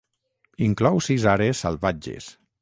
Inclou sis àrees salvatges.